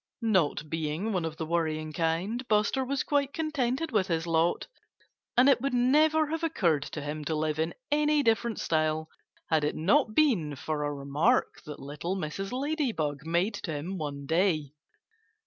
Not being one of the worrying kind, Buster was quite contented with his lot. And it would never have occurred to him to live in any different style had it not been for a remark that little Mrs. Ladybug made to him one day.